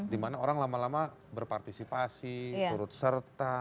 dimana orang lama lama berpartisipasi turut serta